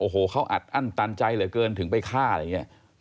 โอ้โหเขาอัดอั้นตันใจเหลือเกินถึงไปฆ่าอะไรอย่างนี้